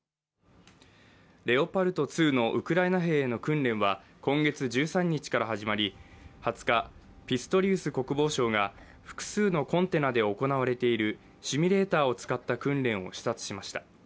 レオパルト２のウクライナ兵への訓練は今月１３日から始まり、２０日、ピストリウス国防相が複数のコンテナで行われているシミュレーターを使った訓練を視察しました。